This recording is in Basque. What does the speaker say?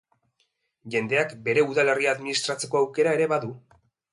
Jendeak bere udalerria administratzeko aukera ere badu.